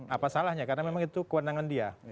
apa salahnya karena memang itu kewenangan dia